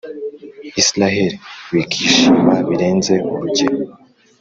Israheli, wikwishima birenze urugero,